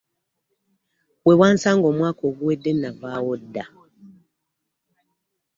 Wewansanga omwaka oguwedde navaawo dda.